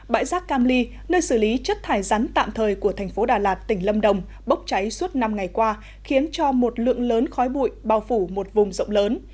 bãi rác cam ly nơi xử lý chất thải rắn tạm thời của thành phố đà lạt tỉnh lâm đồng bốc cháy suốt năm ngày qua khiến cho một lượng lớn khói bụi bao phủ một vùng rộng lớn